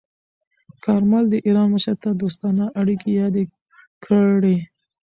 کارمل د ایران مشر ته دوستانه اړیکې یادې کړې.